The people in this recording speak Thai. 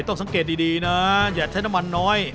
ต้องสังเกตดีนะอย่าใช้น้ำมันน้อย